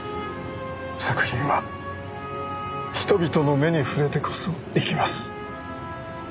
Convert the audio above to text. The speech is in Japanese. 作品は人々の目に触れてこそ生きます。